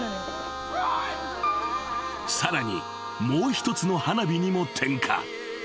［さらにもう一つの花火にも点火］